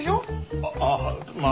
あぁまあ。